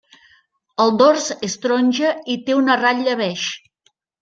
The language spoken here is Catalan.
El dors és taronja i té una ratlla beix.